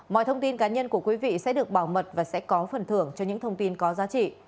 mọi thông tin cá nhân của quý vị sẽ được bảo mật và sẽ có phần thưởng cho những thông tin có giá trị